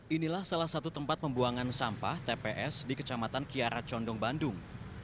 inilah salah satu tempat pembuangan sampah tps di kecamatan kiara condong bandung